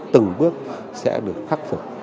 từng bước sẽ được khắc phục